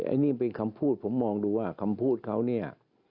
อันนี้เป็นคำพูดผมมองดูว่าคำพูดเขาเนี่ย